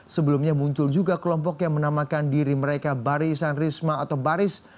sebelumnya muncul juga kelompok yang menamakan diri mereka barisan risma atau baris